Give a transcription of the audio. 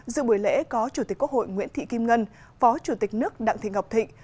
dự buổi lễ có chủ tịch quốc hội nguyễn thị kim ngân phó chủ tịch nước đặng thị ngọc thịnh